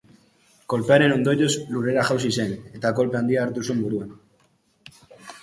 Kolpearen ondorioz, lurrera jausi zen, eta kolpe handia hartu zuen buruan.